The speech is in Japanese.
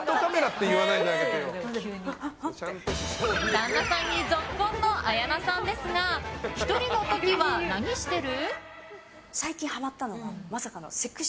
旦那さんにぞっこんの綾菜さんですが１人の時は何してる？